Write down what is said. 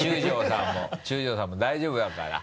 中條さんも大丈夫だから。